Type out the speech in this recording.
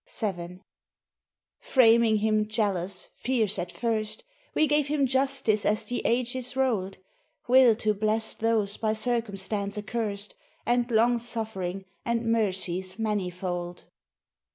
VII "Framing him jealous, fierce, at first, We gave him justice as the ages rolled, Will to bless those by circumstance accurst, And longsuffering, and mercies manifold.